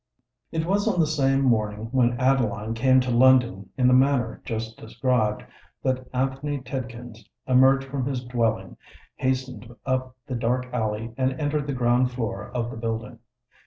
It was on the same morning when Adeline came to London in the manner just described, that Anthony Tidkins emerged from his dwelling, hastened up the dark alley, and entered the ground floor of the building.